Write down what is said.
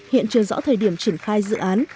hiện chưa rõ thời điểm triển khai dự án